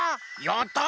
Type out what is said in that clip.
やった！